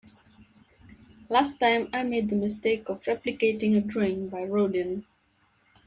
Last time, I made the mistake of replicating a drawing by Rodin.